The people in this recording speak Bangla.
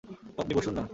আপনি বসুন না।